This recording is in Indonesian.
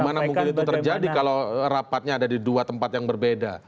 bagaimana mungkin itu terjadi kalau rapatnya ada di dua tempat yang berbeda